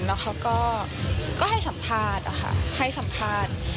แล้วเขาก็ให้สัมภาษณ์นะคะให้สัมภาษณ์